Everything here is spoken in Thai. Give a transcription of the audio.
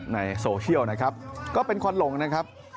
ในโซเชียลนะครับก็เป็นควันหลงนะครับ